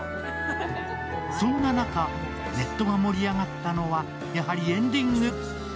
そんな中、ネットが盛り上がったのは、やはりエンディング。